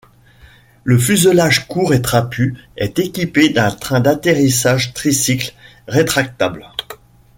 Le fuselage court et trapu est équipé d'un train d'atterrissage tricycle rétractable.